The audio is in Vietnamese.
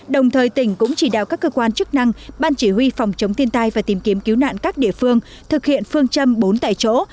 đồng thời tỉnh cũng chỉ đạo các cơ quan chức năng ban chỉ huy phòng chống thiên tai và tìm kiếm cứu nạn các địa phương thực hiện phương châm bốn tại chỗ